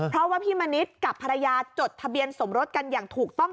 เพราะว่าพี่มณิษฐ์กับภรรยาจดทะเบียนสมรสกันอย่างถูกต้อง